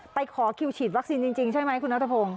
ขอคิวฉีดวัคซีนจริงใช่ไหมคุณนัทพงศ